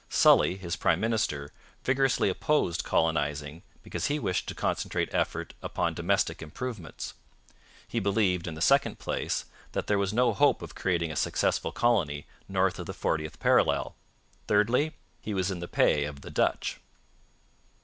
Sully, his prime minister, vigorously opposed colonizing because he wished to concentrate effort upon domestic improvements. He believed, in the second place, that there was no hope of creating a successful colony north of the fortieth parallel. Thirdly, he was in the pay of the Dutch.